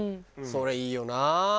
それいいよな。